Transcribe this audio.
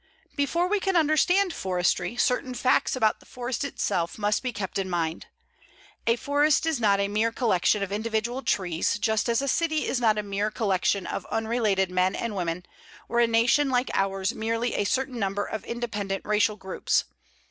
Before we can understand forestry, certain facts about the forest itself must be kept in mind. A forest is not a mere collection of individual trees, just as a city is not a mere collection of unrelated men and women, or a Nation like ours merely a certain number of independent racial groups.